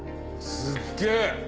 すっげぇ。